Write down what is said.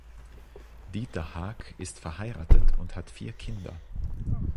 Dieter Haack ist verheiratet und hat vier Kinder.